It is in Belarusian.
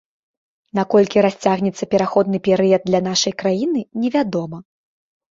На колькі расцягнецца пераходны перыяд для нашай краіны, невядома.